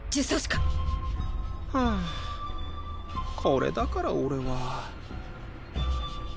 これだから俺は。